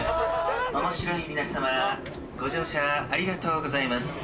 面白い皆様ご乗車ありがとうございます。